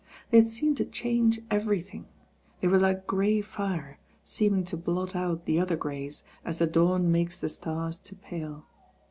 They had seemed to change everything. They were like grey fire, seem ing to blot out the other greys, as the dawn makes the stars to pale.